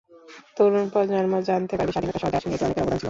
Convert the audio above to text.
তরুণ প্রজন্ম জানতে পারবে স্বাধীনতা সহজে আসেনি, এতে অনেকের অবদান ছিল।